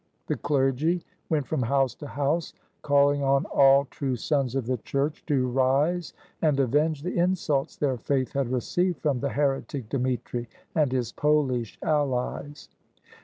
The clergy went from house to house, calHng on all true sons 71 RUSSIA of the Church to rise and avenge the insults their faith had received from the heretic Dmitri and his Polish allies.